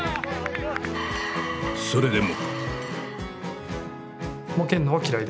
それでも。